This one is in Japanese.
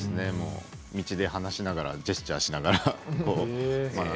道で話しながらジェスチャーをしながら。